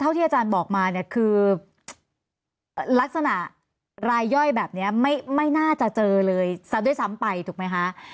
เท่าที่อาจารย์บอกมารักษณะรายย่อยแบบนี้ไม่น่าจะเจอเลยซับด้วยซ้ำไปถูกไหมคะ